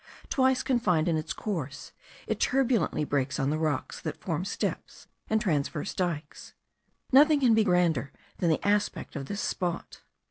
Twice confined in its course, it turbulently breaks on the rocks, that form steps and transverse dykes. Nothing can be grander than the aspect of this spot.